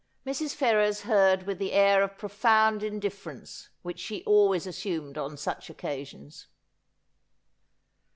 Mrs. Ferrers heard with the air of profound indifference which she always assumed on such occasions.